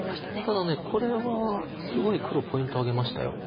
ただこれはすごい黒ポイントを挙げました。